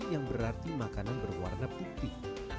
yang berarti makanan berwarna putih